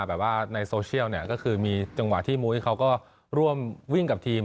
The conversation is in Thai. แบบว่าในโซเชียลเนี่ยก็คือมีจังหวะที่มุ้ยเขาก็ร่วมวิ่งกับทีม